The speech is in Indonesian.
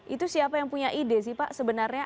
itu siapa yang punya ide sih pak sebenarnya